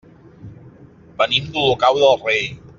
Venim d'Olocau del Rei.